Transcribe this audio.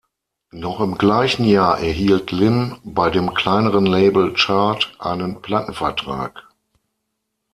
Noch im gleichen Jahr erhielt Lynn bei dem kleineren Label Chart einen Plattenvertrag.